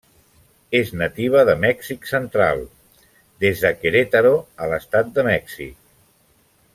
És nativa de Mèxic Central, des de Querétaro a l'estat de Mèxic.